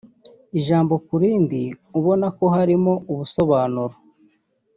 ijambo kurindi ubona ko harimo ubusobanuro